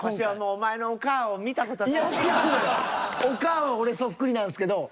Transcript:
おかあは俺そっくりなんですけど。